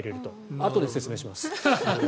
あとで説明します。